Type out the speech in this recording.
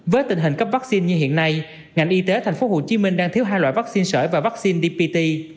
với tình hình cấp vaccine như hiện nay ngành y tế tp hcm đang thiếu hai loại vaccine sởi và vaccine dpt